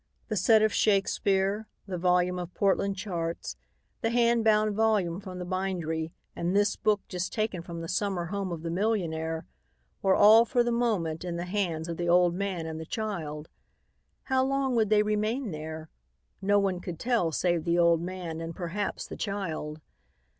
The set of Shakespeare, the volume of Portland charts, the hand bound volume from the bindery and this book just taken from the summer home of the millionaire, were all for the moment in the hands of the old man and the child. How long would they remain there? No one could tell save the old man and perhaps the child.